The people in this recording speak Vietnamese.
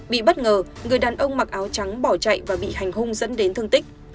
bị bất ngờ người đàn ông mặc áo trắng bỏ chạy và bị hành hung dẫn đến thương tích